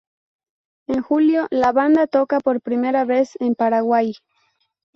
En julio, la banda toca por primera vez en Paraguay.